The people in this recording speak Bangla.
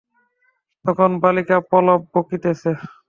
তখন বালিকা প্রলাপ বকিতেছে।